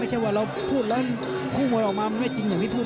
ไม่ใช่ว่าเราพูดแล้วคู่มวยออกมามันไม่จริงอย่างที่พูด